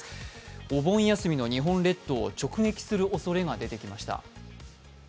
お盆休みの日本列島を直撃するおそれが出てきました。